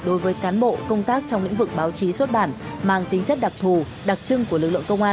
đối với cán bộ công tác trong lĩnh vực báo chí xuất bản mang tính chất đặc thù đặc trưng của lực lượng công an